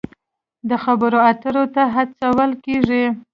د خبرو اترو ته هڅول کیږي.